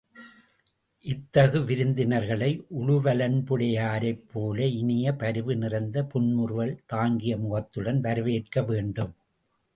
இத்தகு விருந்தினர்களை, உழுவலன்புடையாரைப் போல இனிய பரிவு நிறைந்த புன்முறுவல் தாங்கிய முகத்துடன் வரவேற்க வேண்டும்.